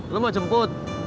lo mau jemput